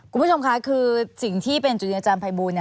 คุณผู้ชมค่ะคือสิ่งที่เป็นจุดยืนอาจารย์ภัยบูล